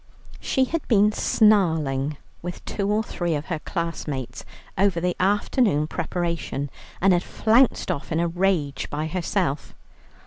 She had been snarling with two or three of her classmates over the afternoon preparation, and had flounced off in a rage by herself.